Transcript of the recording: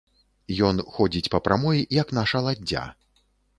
Ён ходзіць па прамой, як наша ладдзя.